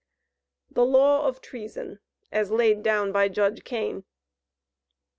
THE LAW OF TREASON, AS LAID DOWN BY JUDGE KANE.